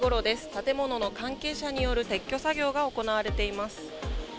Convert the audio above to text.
建物の関係者による撤去作業が行われています。